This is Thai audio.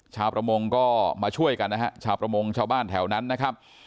ชาวประมงก็มาช่วยกันนะฮะชาวประมงชาวบ้านแถวนั้นนะครับ